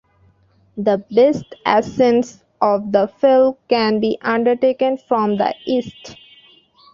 The best ascents of the fell can be undertaken from the east.